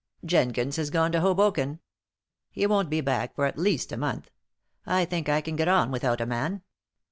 "Jenkins has gone to Hoboken. He won't be back for at least a month. I think I can get on without a man.